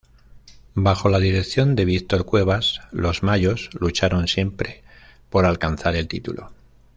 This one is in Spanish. Bajo la dirección de Víctor cuevas, los Mayos lucharon siempre por alcanzar el título.